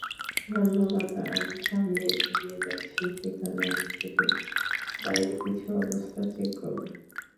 ধন্যবাদ আমি সামনে এগিয়ে যাচ্ছি সেখানে আমি শুধু বাইরে কিছু অবস্থা চেক করবো।